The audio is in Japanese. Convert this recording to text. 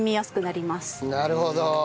なるほど。